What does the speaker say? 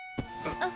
あっ。